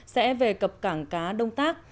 sẽ về cập cảng cá đông tác